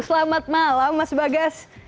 selamat malam mas bagas